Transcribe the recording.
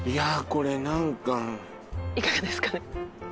これ何かいかがですか？